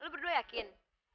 lo berdua yakin